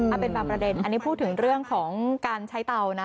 เอาเป็นบางประเด็นอันนี้พูดถึงเรื่องของการใช้เตานะ